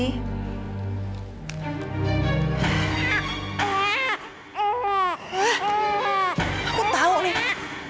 aku tahu nek